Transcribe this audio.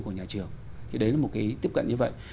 của nhà trường thì đấy là một cái tiếp cận như vậy